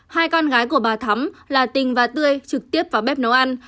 hai con gái của bà thắm là tình và tươi trực tiếp vào bếp nấu ăn